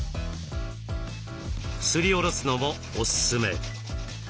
すりおろすのもおすすめ。